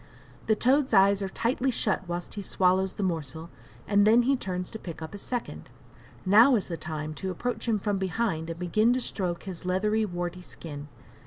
The toad's eyes are tightly shut whilst he swallows the morsel, and then he turns to pick up a second. Now is the time to approach him from behind and begin to stroke his leathery, warty skin.